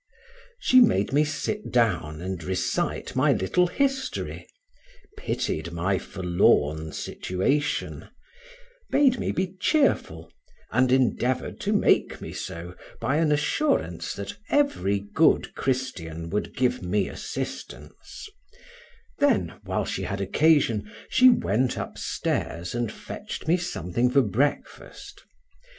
She made me sit down and recite my little history, pitied my forlorn situation; bade me be cheerful, and endeavored to make me so by an assurance that every good Christian would give me assistance; then (while she had occasion for) she went up stairs and fetched me something for breakfast.